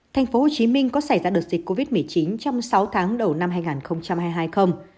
tp hcm có xảy ra đợt dịch covid một mươi chín trong sáu tháng đầu năm hai nghìn hai mươi hai